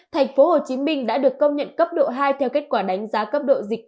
thành phố hồ chí minh đã được công nhận cấp độ hai theo kết quả đánh giá cấp độ dịch